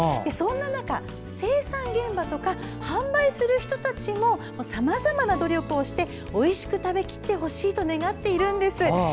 そんな中、生産現場とか販売する人たちもさまざまな努力をしておいしく食べきってほしいと願っているんです。